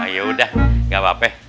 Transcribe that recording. yaudah gak apa apa